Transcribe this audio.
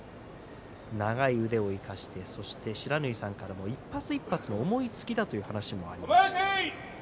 長い腕を生かしてそして不知火さんからも一発一発、重い突きだという話がありました。